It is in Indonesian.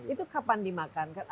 itu kapan dimakan